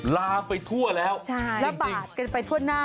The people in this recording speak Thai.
ลามไปทั่วแล้วระบาดกันไปทั่วหน้า